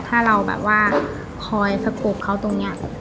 ถ้าเราแบบว่าคอยสกเขาตรงนี้